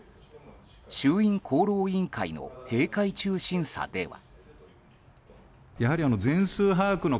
衆院厚労委員会の閉会中審査では。